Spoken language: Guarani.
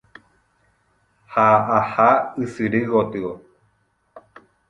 ha aha ysyry gotyo